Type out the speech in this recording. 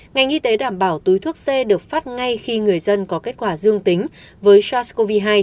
ngành y tế đảm bảo túi thuốc c được phát ngay khi người dân có kết quả dương tính với sars cov hai